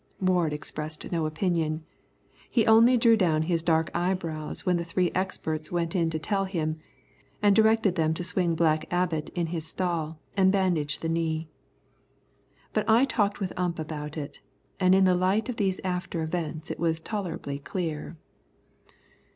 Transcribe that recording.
Ward expressed no opinion. He only drew down his dark eyebrows when the three experts went in to tell him, and directed them to swing Black Abbot in his stall, and bandage the knee. But I talked with Ump about it, and in the light of these after events it was tolerably clear.